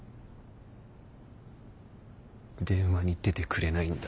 電話に出てくれないんだ。